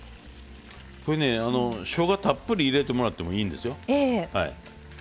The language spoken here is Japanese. しょうが、たっぷり入れてもらってもいいんですよ。